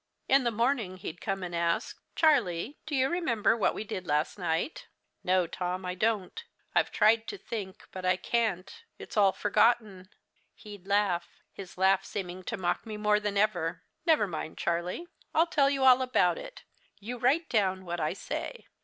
In the morning he'd come and ask: "'Charlie, you remember what we did last night?' "'No, Tom, I don't. I've tried to think, but I can't. It's all forgotten.' "He'd laugh his laugh seeming to mock me more than ever. "'Never mind, Charlie, I'll tell you all about it. You write down what I say.'